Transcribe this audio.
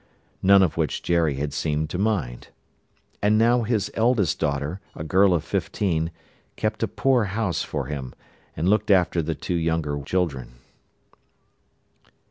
None of which Jerry had seemed to mind. And now his eldest daughter, a girl of fifteen, kept a poor house for him, and looked after the two younger children.